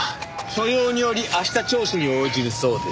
所用により明日聴取に応じるそうです。